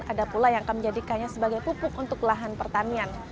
ada pula yang akan menjadikannya sebagai pupuk untuk lahan pertanian